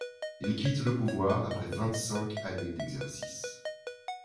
Il quitte le pouvoir après vingt-cinq années d'exercice.